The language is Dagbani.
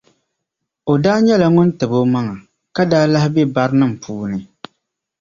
O daa nyɛla ŋun tibgi o maŋa, ka daa lahi be barinanim’ puuni.